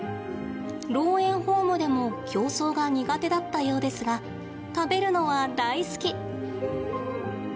老猿ホームでも競争が苦手だったようですが食べるのは大好き。